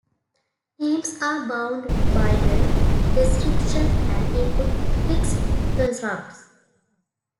Names are bound by the restriction and input prefix constructs.